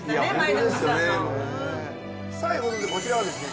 さあこちらはですね